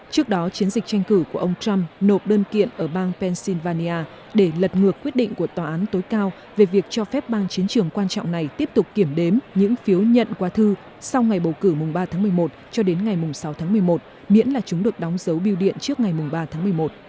trước đó chiến dịch tranh cử của ông trump nộp đơn kiện ở bang pennsylvania để lật ngược quyết định của tòa án tối cao về việc cho phép bang chiến trường quan trọng này tiếp tục kiểm đếm những phiếu nhận qua thư sau ngày bầu cử mùng ba tháng một mươi một cho đến ngày mùng sáu tháng một mươi một miễn là chúng được đóng dấu biêu điện trước ngày ba tháng một mươi một